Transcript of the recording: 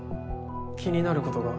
気になることが？